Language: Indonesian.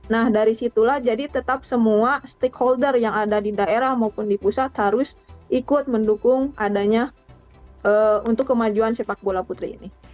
nah dari situlah jadi tetap semua stakeholder yang ada di daerah maupun di pusat harus ikut mendukung adanya untuk kemajuan sepak bola putri ini